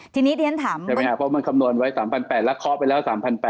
ทีนี้เรียนถามใช่ไหมครับเพราะมันคำนวณไว้๓๘๐๐แล้วเคาะไปแล้ว๓๘๐๐